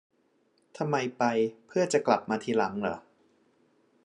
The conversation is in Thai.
ทำไม ไป เพื่อจะกลับมาทีหลังเหรอ